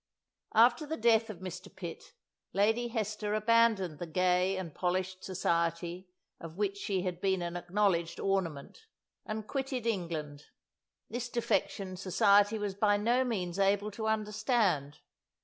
After the death of Mr. Pitt, Lady Hester abandoned the gay and polished society of which she had been an acknowledged ornament, and quitted England. This defection society was by no means able to understand.